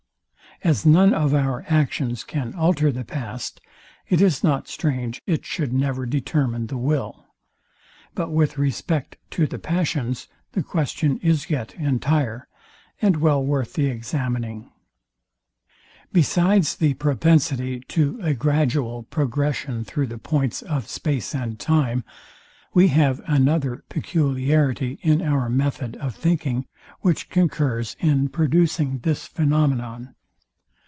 As none of our actions can alter the past, it is not strange it should never determine the will. But with respect to the passions the question is yet entire, and well worth the examining. Besides the propensity to a gradual progression through the points of space and time, we have another peculiarity in our method of thinking, which concurs in producing this phænomenon.